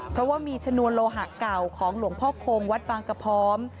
เพราะว่ามีชนวนโลหะเก่าของหลวงพ่อคงวัดบางกระพร้อม